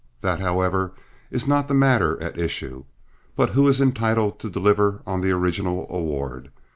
That, however, is not the matter at issue, but who is entitled to deliver on the original award.